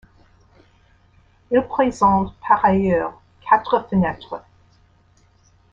Elle présente par ailleurs quatre fenêtres.